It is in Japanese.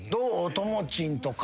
ともちんとか。